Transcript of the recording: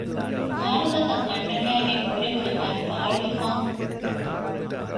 ކާރުތަކަށް އަތް ނަގައިގެން ހުރެ ހުރެ އަތް ވާޅުވި ފަހުން